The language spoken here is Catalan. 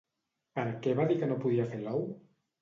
Per què va dir que no podia fer l'ou?